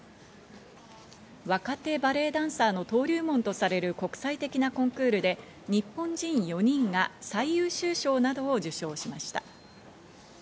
若手バレエダンサーの登竜門とされる国際的なコンクールで、日本人４人が最優秀賞などを受賞しました。